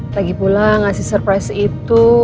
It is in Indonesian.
lagipula ngasih surprise itu